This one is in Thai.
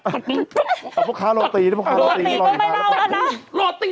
เอาพวกค้ารโรตีรออีกที